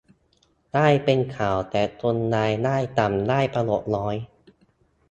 ได้เป็นข่าว แต่คนรายได้ต่ำได้ประโยชน์น้อย